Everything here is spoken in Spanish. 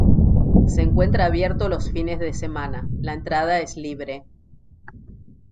Se encuentra abierto los fines de semana, la entrada es libre.